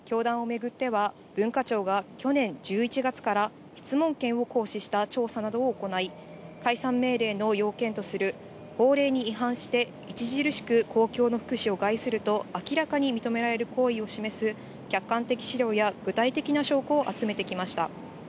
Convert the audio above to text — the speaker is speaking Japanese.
教団を巡っては、文化庁が去年１１月から質問権を行使した調査などを行い、解散命令の要件とする法令に違反して、著しく公共の福祉を害すると明らかに認められる行為を示す客観的資料や具体的な証拠を集めてきました。